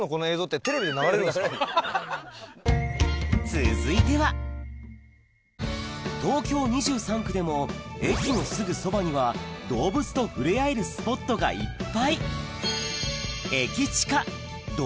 続いては東京２３区でも駅のすぐそばには動物とふれあえるスポットがいっぱい